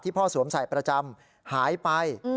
พ่อสวมใส่ประจำหายไป